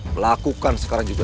melakukan sekarang juga